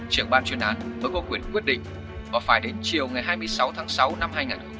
trưởng ban chuyên án với cơ quyền quyết định và phải đến chiều ngày hai mươi sáu tháng sáu năm hai nghìn một mươi tám